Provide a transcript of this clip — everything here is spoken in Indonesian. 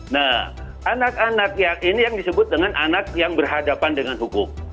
nah anak anak ini yang disebut dengan anak yang berhadapan dengan hukum